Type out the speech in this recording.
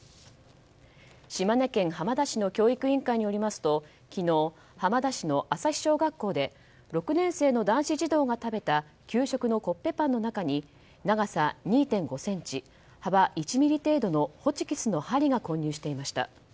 島根県浜田市の教育委員会によりますと昨日、浜田市の旭小学校で６年生の男子児童が食べた給食のコッペパンの中に長さ２．５ｃｍ幅１ｍｍ程度のホチキスの針が混入していました。